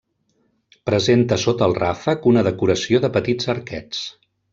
Presenta sota el ràfec una decoració de petits arquets.